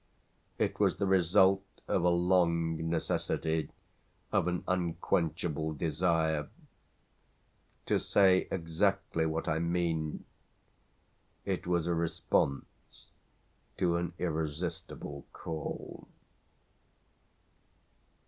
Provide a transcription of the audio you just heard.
It was the result of a long necessity, of an unquenchable desire. To say exactly what I mean, it was a response to an irresistible call.